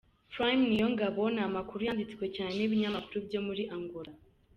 Prime Niyongabo, ni amakuru yanditswe cyane n’ibinyamakuru byo muri Angola.